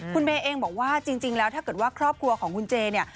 คุณเมย์เองบอกว่าจริงแล้วถ้าเกิดว่าครอบครัวของคุณเจเนี่ย